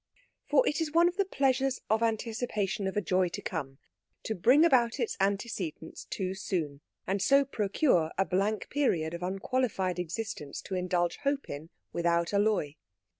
For it is one of the pleasures of anticipation of a joy to come to bring about its antecedents too soon, and so procure a blank period of unqualified existence to indulge Hope in without alloy.